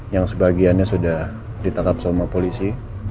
yang sebagiannya sudah ditangkap sama polisi